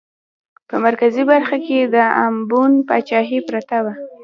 په مرکزي برخه کې د امبون پاچاهي پرته وه.